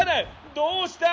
どうした？